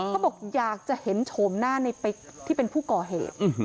เขาบอกอยากจะเห็นโฉมหน้าในปิ๊กที่เป็นผู้ก่อเหตุ